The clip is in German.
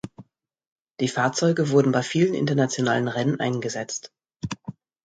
Die Fahrzeuge wurden bei vielen internationalen Rennen eingesetzt.